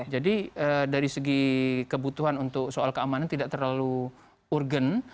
jadi dari segi kebutuhan untuk soal keamanan tidak terlalu urgen